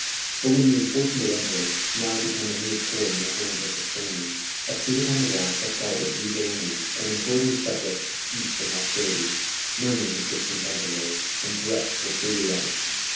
But when the unfortunate emperor, now become a mere toy in the hands of the Spaniards, appeared upon the walls decked out with regal ornaments, and implored his subjects to cease from hostilities, murmurs of discontent arose, and threats were freely uttered.